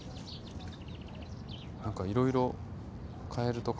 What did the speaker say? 何かいろいろカエルとか。